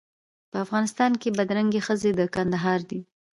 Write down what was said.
په افغانستان کې بدرنګې ښځې د کندهار دي.